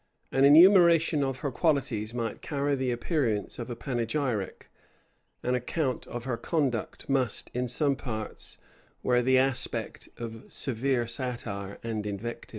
An enumeration of her qualities might carry the appearance of a panegyric; an account of her conduct must, in some parts, wear the aspect of severe satire and invective.